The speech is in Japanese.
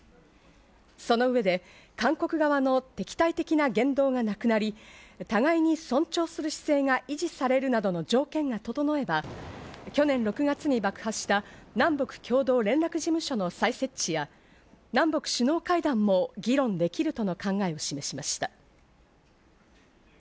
その上で韓国側の敵対的な言動がなくなり、互いに尊重する姿勢が維持されるなどの条件が整えば、去年６月に爆破した南北共同連絡事務所の再設置や南北首脳会談も議論できるとの考えを示しました。